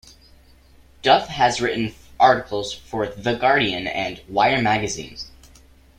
Duff has written articles for "The Guardian" and "Wire Magazine".